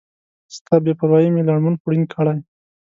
ستا بی پروایي می لړمون خوړین کړی